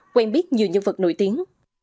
quen biết nhiều nhân vật nổi tiếng